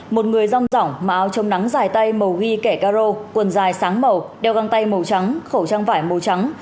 một người rong rỏng màu áo trong nắng dài tay màu ghi kẻ caro quần dài sáng màu đeo găng tay màu trắng khẩu trang vải màu trắng